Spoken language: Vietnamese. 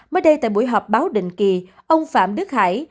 mới đây tại buổi họp báo định kỳ ông phạm đức hải